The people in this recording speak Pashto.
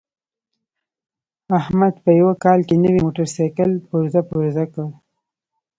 احمد په یوه کال کې نوی موټرسایکل پرزه پرزه کړ.